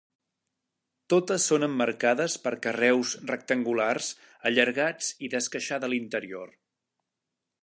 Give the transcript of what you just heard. Totes són emmarcades per carreus rectangulars allargats i d'esqueixada a l'interior.